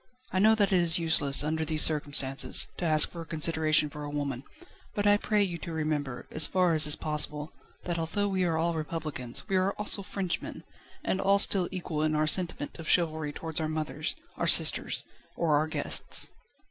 I know that it is useless, under these circumstances, to ask for consideration for a woman, but I pray you to remember, as far as is possible, that although we are all Republicans, we are also Frenchmen, and all still equal in our sentiment of chivalry towards our mothers, our sisters, or our guests."